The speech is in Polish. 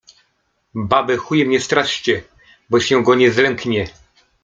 Baby chujem nie straszcie, bo się go nie zlęknie.